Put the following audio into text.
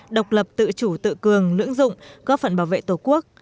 độc lập tự chủ tự cường lưỡng dụng góp phần bảo vệ tổ quốc